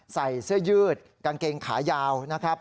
ใส่เสื้อยืดกางเกงขายาวนะครับ